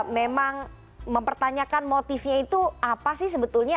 memang mempertanyakan motifnya itu apa sih sebetulnya